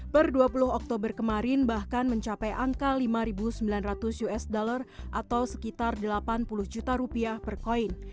per dua puluh oktober kemarin bahkan mencapai angka lima sembilan ratus usd atau sekitar delapan puluh juta rupiah per koin